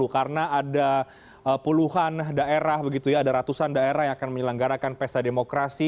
karena ada puluhan daerah begitu ya ada ratusan daerah yang akan menyelenggarakan pesta demokrasi